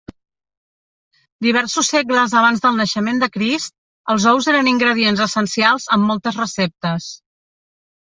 Diversos segles abans del naixement de Crist, els ous eren ingredients essencials en moltes receptes.